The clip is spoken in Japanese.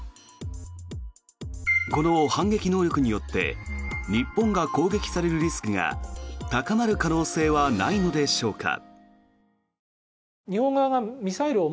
この反撃能力によって日本が攻撃されるリスクが高まる可能性はないのでしょうか。